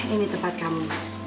ini tempat kamu